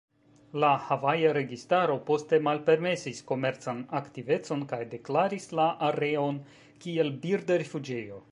La havaja registaro poste malpermesis komercan aktivecon kaj deklaris la areon kiel birda rifuĝejo.